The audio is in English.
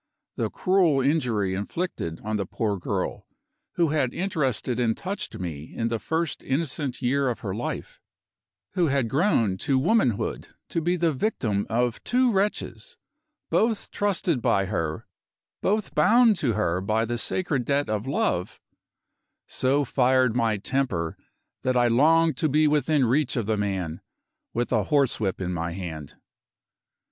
The cruel injury inflicted on the poor girl, who had interested and touched me in the first innocent year of her life who had grown to womanhood to be the victim of two wretches, both trusted by her, both bound to her by the sacred debt of love so fired my temper that I longed to be within reach of the man, with a horsewhip in my hand.